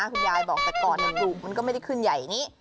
คุณยายบอกแต่ก่อนลูกมันก็ไม่ได้ขึ้นใหญ่นี้